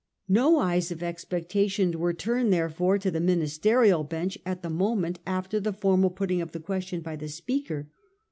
No eyes of expectation were turned therefore to the ministerial bench at the moment after the formal put ting of the question by the Speaker.